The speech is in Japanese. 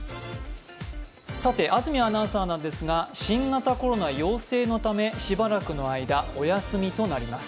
さて安住アナウンサーなんですが新型コロナ陽性のためしばらくの間、お休みとなります。